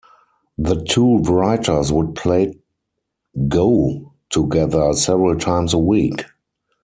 The two writers would play go together several times a week.